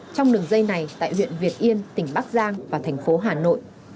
trong đường dây này tại huyện việt yên tỉnh bắc giang và thành phố hà nội